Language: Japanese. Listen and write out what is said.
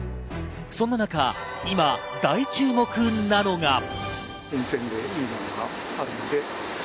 そんな中、今大注目なのが。